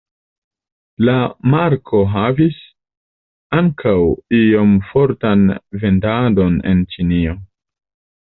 La marko havis ankaŭ iom fortan vendadon en Ĉinio.